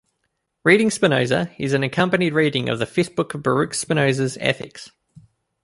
"Reading Spinoza" is an accompanied reading of the Fifth Book of Baruch Spinoza's "Ethics.